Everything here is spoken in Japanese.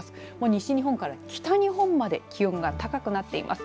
西日本から北日本まで気温が高くなっています。